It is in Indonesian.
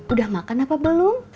udah makan apa belum